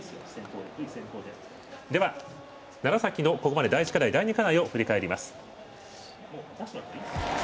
では、楢崎の第１課題、第２課題を振り返ります。